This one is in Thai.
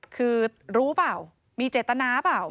คือรู้เปล่ามีเจตนาเปล่า